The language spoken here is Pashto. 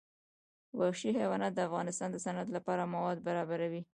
وحشي حیوانات د افغانستان د صنعت لپاره مواد برابروي.